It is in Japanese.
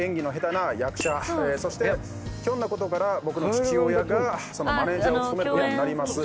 そしてひょんなことから僕の父親がそのマネジャーを務めることになります。